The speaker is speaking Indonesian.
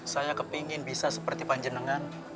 saya kepingin bisa seperti panjenengan